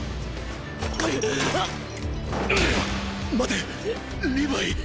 待てリヴァイ！